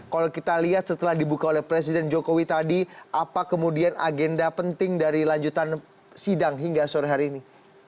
kalau kita lihat setelah dibuka oleh presiden jokowi tadi apa kemudian agenda penting dari lanjutan sidang hingga sore hari ini